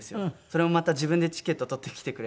それもまた自分でチケット取って来てくれて。